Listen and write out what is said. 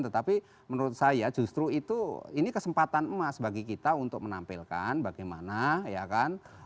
tetapi menurut saya justru itu ini kesempatan emas bagi kita untuk menampilkan bagaimana ya kan